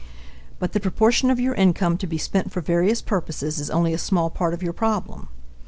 But the proportion of your income to be spent for various purposes is only a small part of your problem.